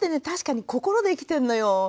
確かに心で生きてんのよ。